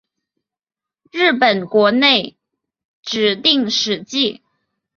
日本国内指定史迹。